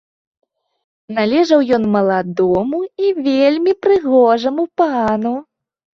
Належаў ён маладому і вельмі прыгожаму пану.